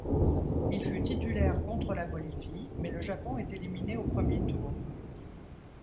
Il fut titulaire contre la Bolivie, mais le Japon est éliminé au premier tour.